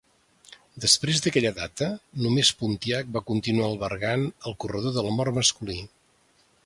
Després d'aquella data, només Pontiac va continuar albergant el corredor de la mort masculí.